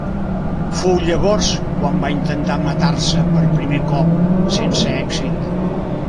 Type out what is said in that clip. Fou llavors quan va intentar matar-se per primer cop sense èxit.